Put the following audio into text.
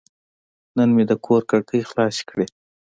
نن مې د کور کړکۍ خلاصې کړې.